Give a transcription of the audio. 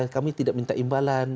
kami tidak minta imbalan